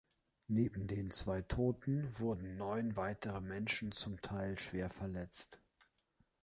Neben den zwei Toten wurden neun weitere Menschen zum Teil schwer verletzt.